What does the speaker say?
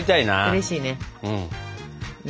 うれしいね。